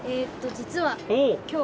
実は今日。